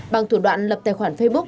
bằng thủ đoạn lập tài khoản facebook